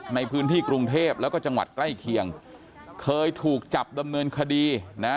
ในพื้นที่กรุงเทพแล้วก็จังหวัดใกล้เคียงเคยถูกจับดำเนินคดีนะ